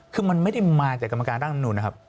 คือมันไม่ได้มาจากกรรมการร่างรัฐมนุนนะครับ